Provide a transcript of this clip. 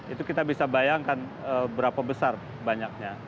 itu kita bisa bayangkan berapa besar banyaknya